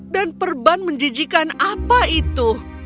dan perban menjijikan apa itu